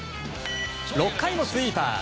６回もスイーパー。